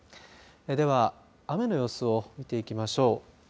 では、雨の予想を見ていきましょう。